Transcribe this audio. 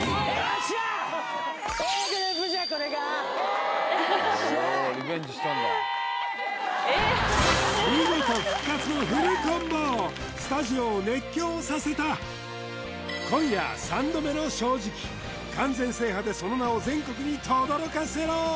っしゃ見事スタジオを熱狂させた今夜３度目の正直完全制覇でその名を全国にとどろかせろ！